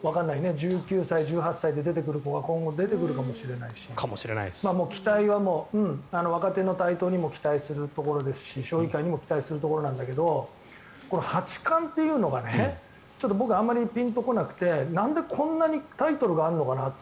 １９歳、１８歳で出てくる子が今後、出てくるかもしれないしもう若手の台頭にも期待するところですし将棋界にも期待するところですが八冠というのが僕、あんまりぴんと来なくてなんで、こんなにタイトルがあるのかなと。